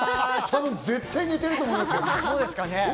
多分、絶対寝てると思いますけどね。